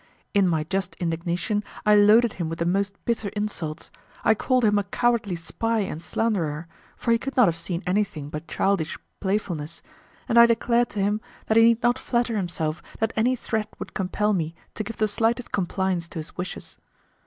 In my just indignation I loaded him with the most bitter insults, I called him a cowardly spy and slanderer, for he could not have seen anything but childish playfulness, and I declared to him that he need not flatter himself that any threat would compel me to give the slightest compliance to his wishes.